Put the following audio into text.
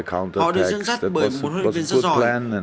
họ được dân dắt bởi một huấn luyện viên rất giỏi